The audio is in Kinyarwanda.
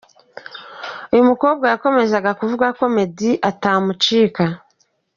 Uyu mukobwa yakomezaga kuvuga ko Meddy atamucika.